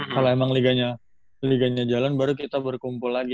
kalau emang liganya jalan baru kita berkumpul lagi